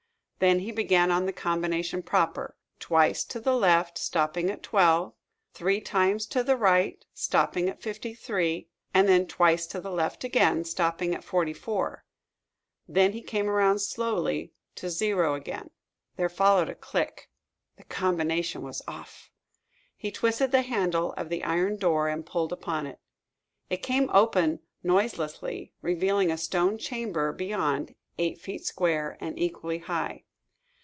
Then he began on the combination proper twice to the left, stopping at 12; three times to the right, stopping at 53; and then twice to the left again, stopping at 44. Then he came around slowly to O again. There followed a click. The combination was off. He twisted the handle of the iron door and pulled upon it. It came open noiselessly, revealing a stone chamber beyond, eight feet square, and equally high.